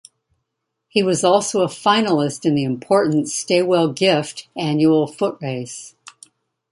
He was also a finalist in the important Stawell Gift annual foot race.